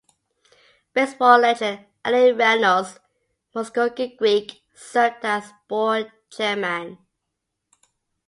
Baseball legend Allie Reynolds (Muscogee Creek) served as board chairman.